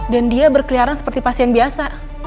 dan dia berkeliaran seperti pasien biasa